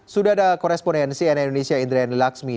sudah ada koresponensi nn indonesia indra nilak semidi